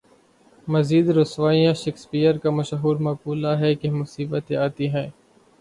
مزید رسوائیاں شیکسپیئر کا مشہور مقولہ ہے کہ مصیبتیں آتی ہیں۔